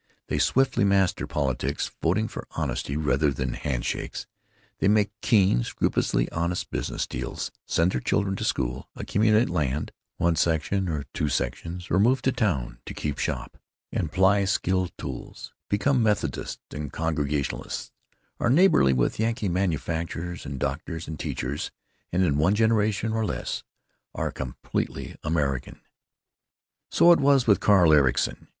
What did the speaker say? They swiftly master politics, voting for honesty rather than for hand shakes; they make keen, scrupulously honest business deals; send their children to school; accumulate land—one section, two sections—or move to town to keep shop and ply skilled tools; become Methodists and Congregationalists; are neighborly with Yankee manufacturers and doctors and teachers; and in one generation, or less, are completely American. So was it with Carl Ericson.